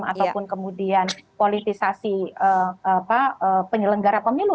ataupun kemudian politisasi penyelenggara pemilu